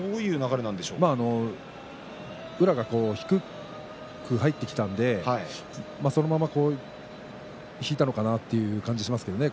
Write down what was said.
宇良が低く入ってきたのでそのまま引いたのかなという感じがしましたね。